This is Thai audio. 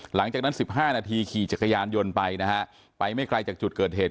หลังจากนั้น๑๕นาทีขี่จักรยานยนต์ไปนะฮะไปไม่ไกลจากจุดเกิดเหตุ